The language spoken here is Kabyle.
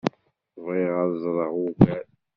Bɣiɣ ad ẓreɣ ugar.